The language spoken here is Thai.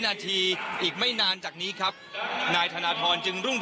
นาคมผมให้อนุญาตมันว่าเราต้องใช้การด้วย